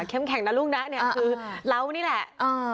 เข้มแข็งนะลูกนะคือเหล้านี่แหละ